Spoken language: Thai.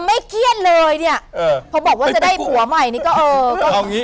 ไม่เครียดเลยเนี่ยเพราะบอกว่าจะได้ผัวใหม่เนี่ยก็เออ